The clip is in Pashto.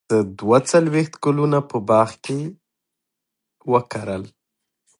زه دوه څلوېښت ګلونه په باغ کې وکرل.